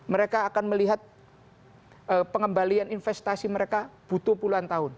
mereka akan melihat pengembalian investasi mereka butuh puluhan tahun